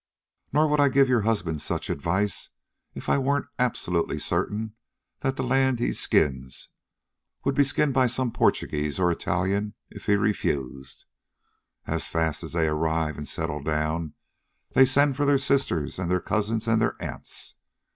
Nor would I give your husband such advice if I weren't absolutely certain that the land he skins would be skinned by some Portuguese or Italian if he refused. As fast as they arrive and settle down, they send for their sisters and their cousins and their aunts.